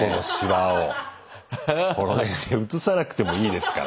写さなくてもいいですから。